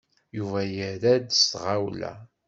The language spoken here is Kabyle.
Yuba yerra-d s tɣawla.